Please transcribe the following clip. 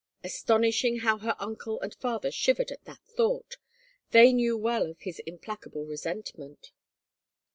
Astonishing how her uncle and father shivered at that thought ! They knew well of his implacable resentment.